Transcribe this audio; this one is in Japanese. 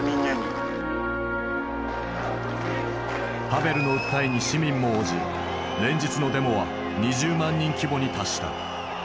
ハヴェルの訴えに市民も応じ連日のデモは２０万人規模に達した。